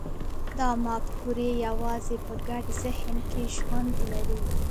دا مفکورې یوازې په ګډ ذهن کې ژوند لري.